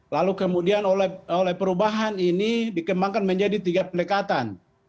lalu kemudian oleh perubahan ini dikembangkan menjadi tiga pendekatan